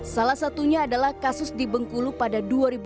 salah satunya adalah kasus di bengkulu pada dua ribu sepuluh